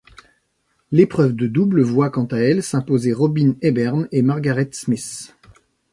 L'épreuve de double voit quant à elle s'imposer Robyn Ebbern et Margaret Smith.